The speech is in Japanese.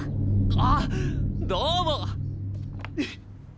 あどうも！